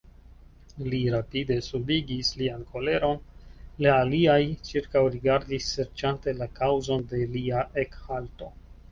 Li rapide subigis lian koleron, la aliaj ĉirkaŭrigardis serĉante la kaŭzon de lia ekhalto.